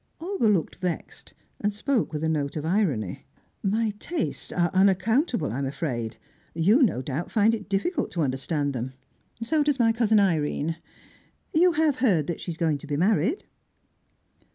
Olga looked vexed, and spoke with a note of irony. "My tastes are unaccountable, I'm afraid. You, no doubt, find it difficult to understand them. So does my cousin Irene. You have heard that she is going to be married?"